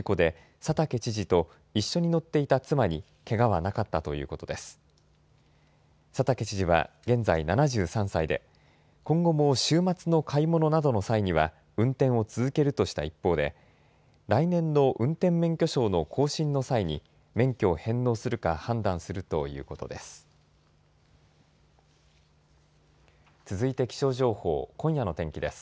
佐竹知事は現在７３歳で今後も週末の買い物などの際には運転を続けるとした一方で来年の運転免許証の更新の際に免許を返納するか判断するということです。